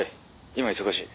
今忙しい。